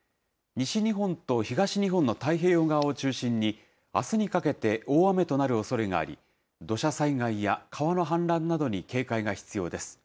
西日本と東日本の太平洋側を中心に、あすにかけて、大雨となるおそれがあり、土砂災害や川の氾濫などに警戒が必要です。